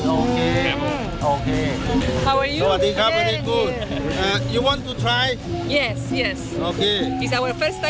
ออเมริกา